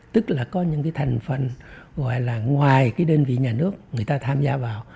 tức là có những cái thành phần gọi là ngoài cái đơn vị nhà nước người ta tham gia vào